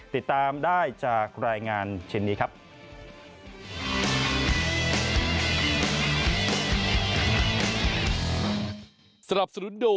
ติดตามได้จากรายงานชิ้นนี้ครับ